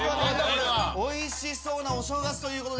おいしそうなお正月ということで。